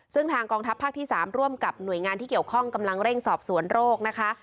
ซึ่งทางกองทัพภาคที่๓ร่วมกับหน่วยงานที่เกี่ยวข้องกำลังเร่งสอบสวนโรคนะคะ